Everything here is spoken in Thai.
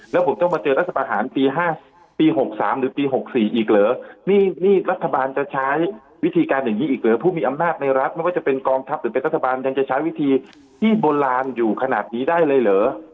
แล้วผมต้องมาเจอรัฐประหารปี๖๓หรือปี๖๔อีกเหรอ